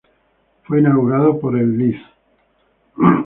Fue inaugurado por el Lic.